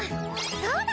そうだ！